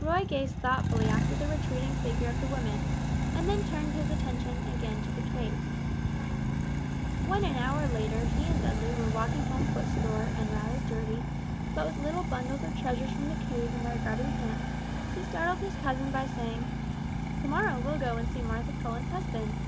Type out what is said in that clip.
Roy gazed thoughtfully after the retreating figure of the woman, and then turned his attention again to the cave. When an hour later he and Dudley were walking home footsore, and rather dirty, but with little bundles of treasures from the cave in their grubby hands, he startled his cousin by saying "To morrow we'll go and see Martha Cullen's husband.